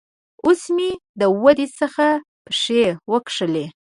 اوس مې د دوی څخه پښې وکښلې.